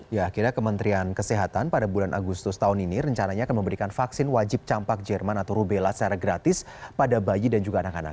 ya akhirnya kementerian kesehatan pada bulan agustus tahun ini rencananya akan memberikan vaksin wajib campak jerman atau rubella secara gratis pada bayi dan juga anak anak